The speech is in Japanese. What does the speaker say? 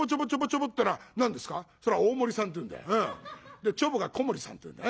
でちょぼが小森さんっていうんだ。